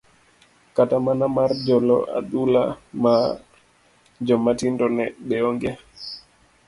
kata mana mar jolo adhula mar joma tindo be onge?